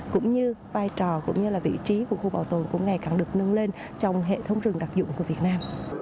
cũng như vai trò cũng như là vị trí của khu bảo tồn cũng ngày càng được nâng lên trong hệ thống rừng đặc dụng của việt nam